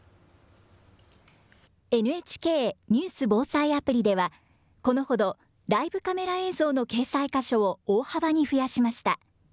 ＮＨＫニュース・防災アプリでは、このほどライブカメラ映像の掲載箇所を大幅に増やしました。